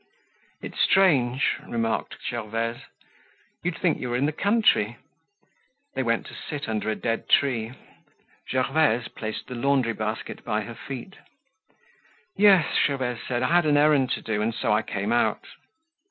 "It's strange," remarked Gervaise. "You'd think you were in the country." They went to sit under a dead tree. Gervaise placed the laundry basket by her feet. "Yes," Gervaise said, "I had an errand to do, and so I came out."